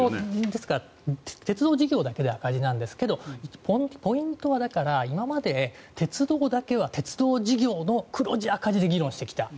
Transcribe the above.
ですから鉄道事業だけで赤字なんですけどポイントは、今まで鉄道だけは鉄道事業の黒字、赤字で議論してきた。